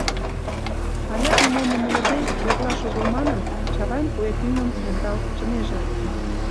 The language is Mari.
Алят нимом умылыде, йӧрлаш огыл манын, Чавайн куэ тӱҥым ӧндал кучынеже ыле.